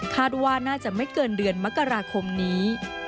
คาดว่าน่าจะไม่เกินเดือนมกราคมนี้